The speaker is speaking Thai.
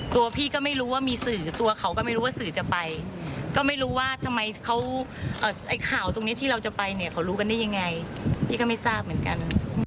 ตัวพี่ก็ไม่รู้ว่ามีสื่อตัวเขาก็ไม่รู้ว่าสื่อจะไปก็ไม่รู้ว่าทำไมเขาข่าวตรงนี้ที่เราจะไปเนี่ยเขารู้กันได้ยังไงพี่ก็ไม่ทราบเหมือนกัน